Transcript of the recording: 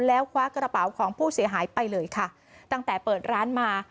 แล้วคว้ากระเป๋าของผู้เสียหายไปเลยค่ะตั้งแต่เปิดร้านมา